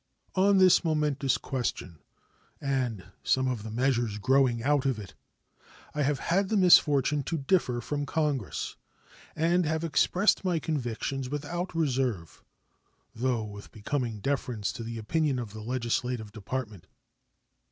On this momentous question and some of the measures growing out of it I have had the misfortune to differ from Congress, and have expressed my convictions without reserve, though with becoming deference to the opinion of the legislative department.